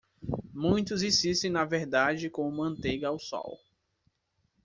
Muitos insistem na verdade como manteiga ao sol.